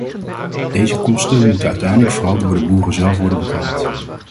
Deze kosten moeten uiteindelijk vooral door de boeren zelf worden betaald.